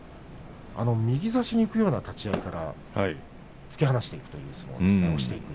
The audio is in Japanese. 右差しにいくような立ち合いから突き放していくような相撲ですね。